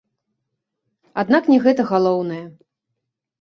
Аднак не гэта галоўнае.